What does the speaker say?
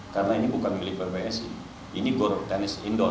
karena ini bukan milik bpsi ini gor tenis indoor